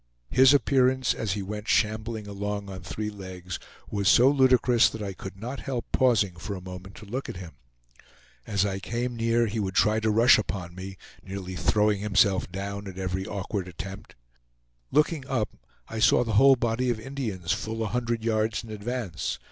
His appearance, as he went shambling along on three legs, was so ludicrous that I could not help pausing for a moment to look at him. As I came near, he would try to rush upon me, nearly throwing himself down at every awkward attempt. Looking up, I saw the whole body of Indians full a hundred yards in advance.